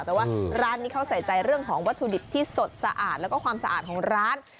แต่ว่าร้านนี้เขาใส่ใจเรื่องของวัตถุดิบที่สดสะอาดแล้วก็ความสะอาดของร้าน